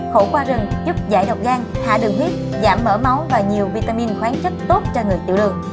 khẩu qua rừng giúp giải độc gan hạ đường huyết giảm mở máu và nhiều vitamin khoáng chất tốt cho người tiểu đường